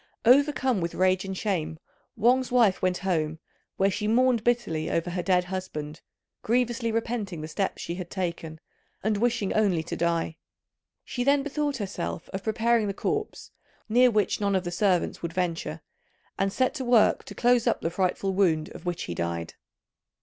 Overcome with rage and shame, Wang's wife went home, where she mourned bitterly over her dead husband, grievously repenting the steps she had taken, and wishing only to die. She then bethought herself of preparing the corpse, near which none of the servants would venture; and set to work to close up the frightful wound of which he died.